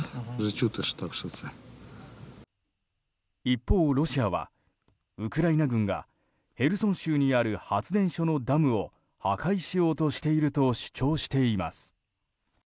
一方、ロシアはウクライナ軍がへルソン州にある発電所のダムを破壊しようとしていると主張しています。